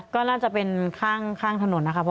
ก็น่าจะเป็นข้างถนนนะคะเพราะว่าเขามี